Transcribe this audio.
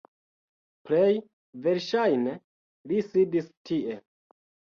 Plej verŝajne li sidis tie